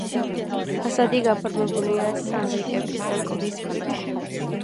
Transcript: ფასადი გაფორმებულია სანდრიკებით და კლდის ქვით.